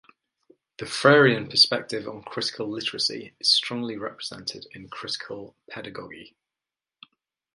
The Freirean perspective on critical literacy is strongly represented in critical pedagogy.